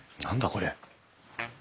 これ。